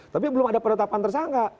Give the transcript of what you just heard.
tapi belum ada penetapan tersangka